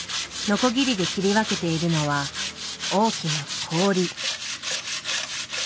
のこぎりで切り分けているのは大きな氷。